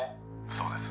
「そうです」